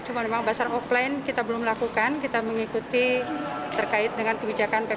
cuma memang basa offline kita belum melakukan kita mengikuti terkait dengan kebijakan ppkm